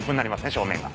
正面が。